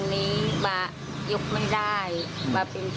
ไม่มีค่ะยังไม่รู้อะไรเลยค่ะ